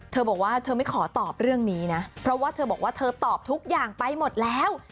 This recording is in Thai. เธอบอกว่าเธอไม่ขอตอบเรื่องนี้นะเพราะว่าเธอบอกว่าเธอตอบทุกอย่างไปหมดแล้ว